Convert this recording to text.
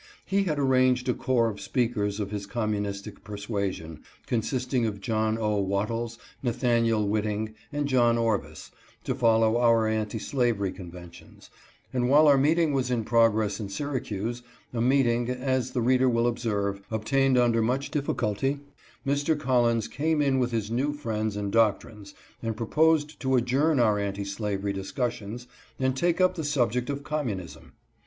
He had arranged a corps of speakers of his communistic persuasion, con sisting of John 0. Wattles, Nathaniel Whiting, and John Orvis, to follow our anti slavery conventions, and, while our meeting was in progress in Syracuse, a meeting, as OPPOSES COMMUNISTS. 283 the reader will observe, obtained under much difficulty, Mr. Collins came in with his new friends and doctrines and proposed to adjourn our anti slavery discussions and take up the subject of communism.